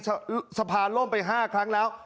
สะพานล่มไป๕ครั้งแล้ว